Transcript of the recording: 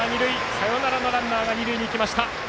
サヨナラのランナーが二塁へいきました。